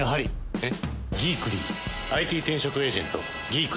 えっ？